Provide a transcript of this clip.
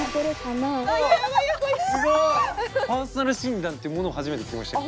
パーソナル診断っていうものを初めて聞きました。